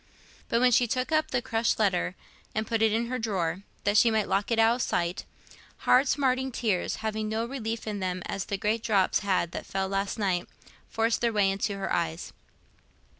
But when she took up the crushed letter and put it in her drawer, that she might lock it out of sight, hard smarting tears, having no relief in them as the great drops had that fell last night, forced their way into her eyes.